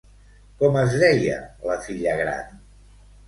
Com es deia la filla gran?